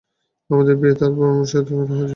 আমাদের বীর তার বর্মসমেত হাজির!